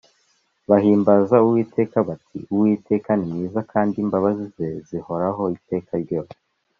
bahimbaza uwiteka bati: ‘uwiteka ni mwiza kandi imbabazi ze zihoraho iteka ryose.’